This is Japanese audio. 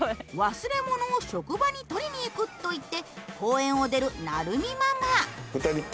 忘れ物を職場に取りに行くと言って公園を出るなるみママ。